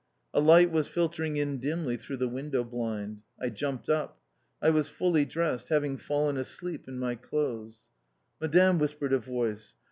A light was filtering in dimly through the window blind. I jumped up. I was fully dressed, having fallen asleep in my clothes. "Madame!" whispered a voice.